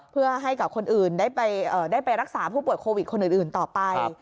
เพื่อให้กับคนอื่นได้ไปรักษาผู้ป่วยโควิดคนอื่นต่อไป